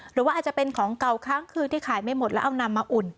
หรือว่าอาจจะเป็นของเก่าค้างคืนที่ขายไม่หมดแล้วเอานำมาอุ่น